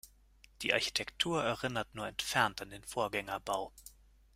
Die Architektur erinnert nur entfernt an den Vorgängerbau.